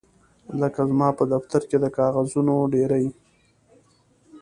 لکه زما په دفتر کې د کاغذونو ډیرۍ